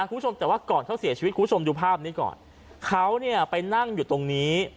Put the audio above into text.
คุณผู้ชมแต่ว่าก่อนเขาเสียชีวิตคุณผู้ชมดูภาพนี้ก่อนเขาเนี่ยไปนั่งอยู่ตรงนี้